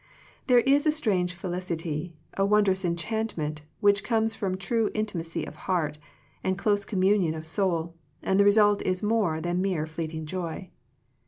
There is a strange felicity, a wondrous enchantment, which comes from true intimacy of heart, and close communion of soul, and the result is more than mere fleeting joy.